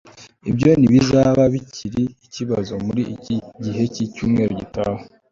Ibyo ntibizaba bikiri ikibazo muri iki gihe cyicyumweru gitaha